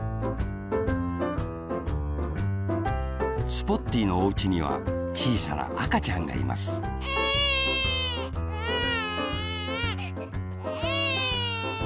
スポッティーのおうちにはちいさなあかちゃんがいますエンエン。